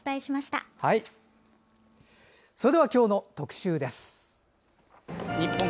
それでは今日の特集です。